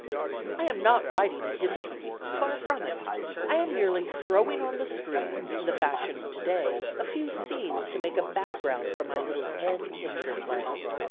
I am not writing a history; far from it. I am merely throwing on the screen, in the fashion of today, a few scenes to make a background for my little pen picture play.